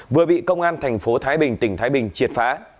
vừa bị công an thành phố thái bình tỉnh thái bình triệt phá